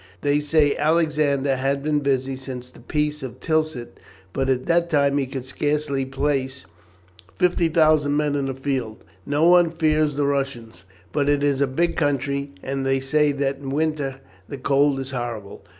They say Alexander has been busy since the peace of Tilsit, but at that time he could scarce place 50,000 men in the field. No one fears the Russians; but it is a big country, and they say that in winter the cold is horrible.